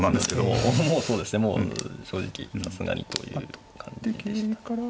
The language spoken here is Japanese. もうそうですねもう正直さすがにという感じでしたから。